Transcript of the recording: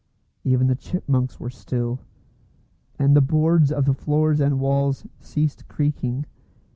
Even the chipmunks were still; and the boards of the floors and walls ceased creaking.